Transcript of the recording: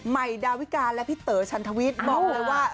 ใหม่ดาวิกาและพี่เต๋อชันทวิทย์บอกเลยว่า